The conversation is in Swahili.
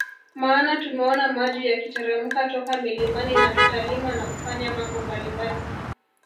Maana tumeona maji yakiteremka toka milimani na tutalima na kufanya mambo mbalimbali